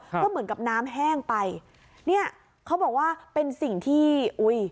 ก็เหมือนกับน้ำแห้งไปเนี่ยเขาบอกว่าเป็นสิ่งที่อุ้ย